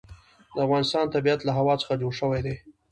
د افغانستان طبیعت له هوا څخه جوړ شوی دی.